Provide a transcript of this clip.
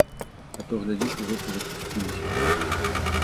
А то, глядзіш, ужо б і запусціліся.